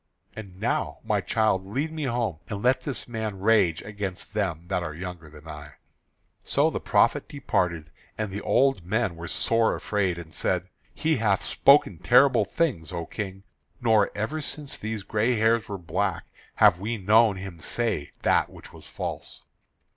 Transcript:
And now, my child, lead me home, and let this man rage against them that are younger than I." So the prophet departed, and the old men were sore afraid, and said: "He hath spoken terrible things, O King; nor ever since these gray hairs were black have we known him say that which was false."